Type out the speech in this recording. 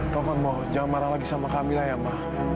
taufan mohon jangan marah lagi sama kamila ya ma